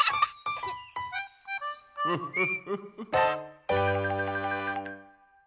フフフフ。